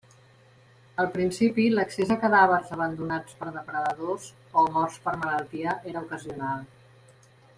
Al principi, l'accés a cadàvers abandonats per depredadors, o morts per malaltia, era ocasional.